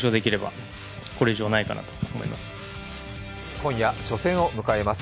今夜初戦を迎えます